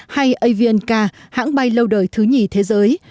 hay avianca hãng bay lâu đời thứ nhì thế giới